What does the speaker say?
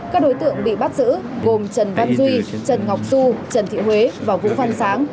các đối tượng bị bắt giữ gồm trần văn duy trần ngọc du trần thị huế và vũ văn sáng